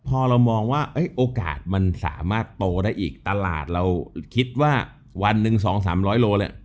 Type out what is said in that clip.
พอเรามองว่าโอกาสมันสามารถโตได้อีกตลาดเราคิดว่าวันหนึ่ง๒๓๐๐โลเนี่ย